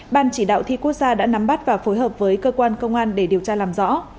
ban chỉ đạo thi quốc gia đã nắm bắt và phối hợp với cơ quan công an để điều tra làm rõ